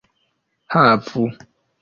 havu